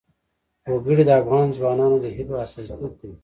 وګړي د افغان ځوانانو د هیلو استازیتوب کوي.